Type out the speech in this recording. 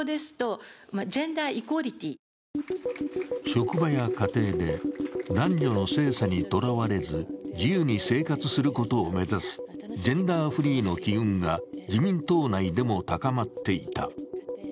職場や家庭で男女の性差にらわれず自由に生活することを目指すジェンダーフリーの機運が自民党内でも高まっていた。